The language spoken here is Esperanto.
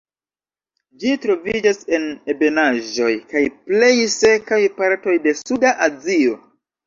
Ĝi troviĝas en ebenaĵoj kaj plej sekaj partoj de Suda Azio.